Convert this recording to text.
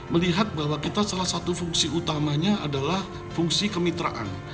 melihat bahwa kita salah satu fungsi utamanya adalah fungsi kemitraan